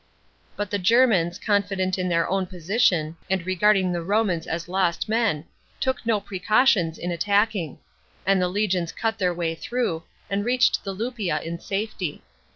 But the Germans, confident in their own position, and regarding the Romans as lost men, took no precautions in attacking; and the legions cut their way through, and reached the Luppia in safety.